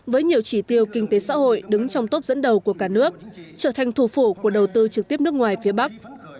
với nhiều chỉ tiêu kinh tế xã hội đứng trong tốp dẫn đầu của cả nước trở thành thủ phủ của đầu tư trực tiếp nước ngoài phía bắc